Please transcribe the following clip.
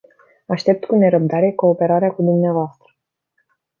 Aștept cu nerăbdare cooperarea cu dumneavoastră.